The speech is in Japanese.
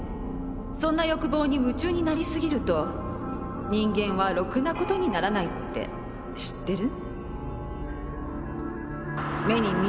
そんな欲望に夢中になりすぎると人間はろくなことにならないって知ってる？